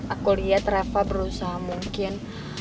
aku lihat rafa berusaha mungkin